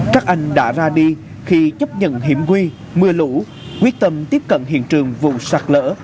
các anh đã ra đi khi chấp nhận hiểm nguy mưa lũ quyết tâm tiếp cận hiện trường vụ sạt lỡ